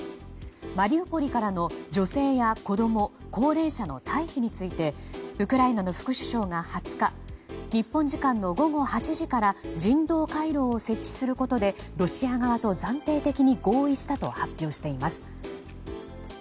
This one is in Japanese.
マリウポリからの女性や子供高齢者の退避についてウクライナの副首相が２０日日本時間の午後８時から人道回廊を設置することでロシア側と暫定的に合意したと発表しています。